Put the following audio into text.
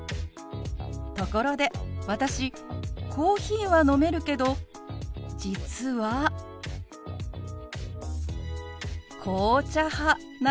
ところで私コーヒーは飲めるけど実は紅茶派なんです。